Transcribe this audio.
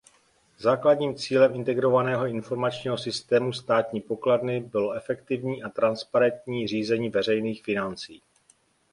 Základním cílem Integrovaného informačního systému Státní pokladny bylo efektivní a transparentní řízení veřejných financí.